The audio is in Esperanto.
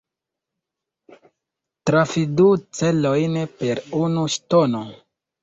Trafi du celojn per unu ŝtono.